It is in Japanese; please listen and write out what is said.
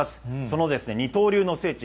その二刀流の聖地